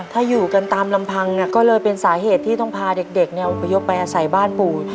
ถ้าอยู่กันตามลำพังก็เลยเป็นสาเหตุที่ต้องพาเด็กเนี่ยอพยพไปอาศัยบ้านปู่